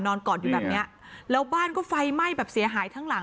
กอดอยู่แบบเนี้ยแล้วบ้านก็ไฟไหม้แบบเสียหายทั้งหลัง